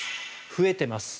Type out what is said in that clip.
増えています。